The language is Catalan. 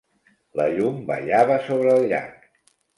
La llum ballava sobre el llac.